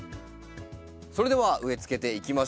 それでは植え付けていきましょう。